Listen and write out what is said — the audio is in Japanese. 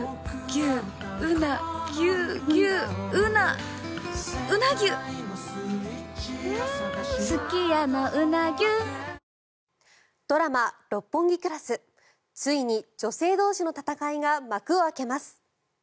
急速に燃え広がってドラマ「六本木クラス」ついに、女性同士の戦いが幕を開けます。